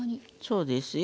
そうですよ。